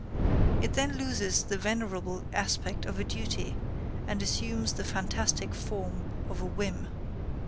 It then loses the venerable aspect of a duty, and assumes the fantastic form of a whim.